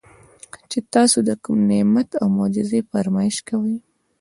چې تاسي د کوم نعمت او معجزې فرمائش کوئ